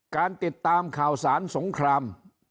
การติดตามข่าวสารสงคราม